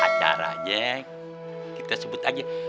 acaranya kita sebut aja